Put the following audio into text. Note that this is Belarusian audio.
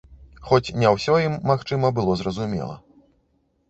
Хоць не ўсё ім, магчыма, было зразумела.